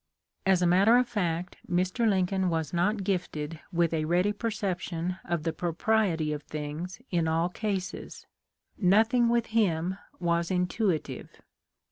As a matter of fact Mr. Lincoln was not gifted with a ready perception of the propriety of things in all cases. Nothing with him was intuitive.